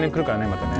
またね。